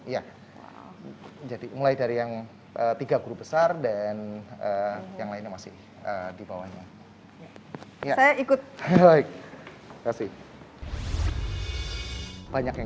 ya jadi mulai dari yang tiga guru besar dan yang lainnya masih dibawanya informasi banyak yang